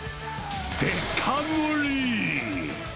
デカ盛り。